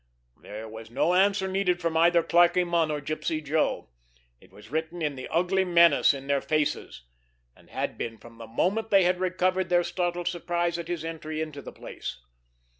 There was no answer needed from either Clarkie Munn or Gypsy Joe. It was written in the ugly menace in their faces, and had been from the moment they had recovered their startled surprise at his entry into the place.